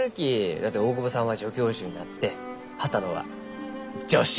だって大窪さんは助教授になって波多野は助手！